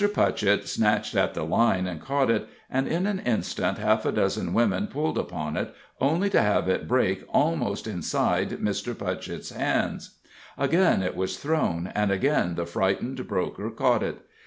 Putchett snatched at the line and caught it, and in an instant half a dozen women pulled upon it, only to have it break almost inside Mr. Putchett's hands. Again it was thrown, and again the frightened broker caught it.